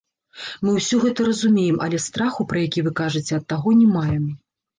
Мы ўсё гэта разумеем, але страху, пра які вы кажаце, ад таго не маем.